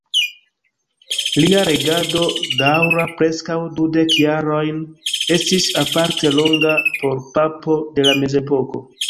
Lia regado, daŭra preskaŭ dudek jarojn, estis aparte longa por papo de la Mezepoko.